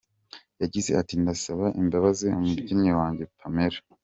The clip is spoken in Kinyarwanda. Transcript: Yagize ati “Ndasaba imbabazi umubyinnyi wanjye Pamela.